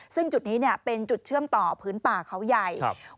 ซึ่งจุดนี้เป็นจุดเชื่อมต่อพื้นป่าเขาใหญ่